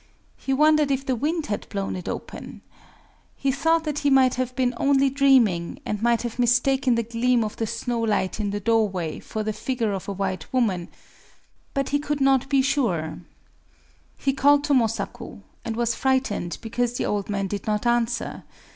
He wondered if the wind had blown it open;—he thought that he might have been only dreaming, and might have mistaken the gleam of the snow light in the doorway for the figure of a white woman: but he could not be sure. He called to Mosaku, and was frightened because the old man did not answer.